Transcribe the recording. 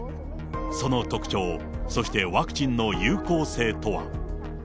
その特徴、そしてワクチンの有効性とは。